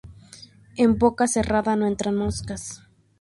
En boca cerrada no entran moscas